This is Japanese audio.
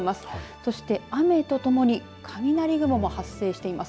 そして雨とともに雷雲も発生しています。